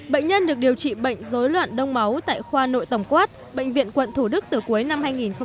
bệnh nhân được điều trị bệnh dối loạn đông máu tại khoa nội tổng quát bệnh viện quận thủ đức từ cuối năm hai nghìn một mươi tám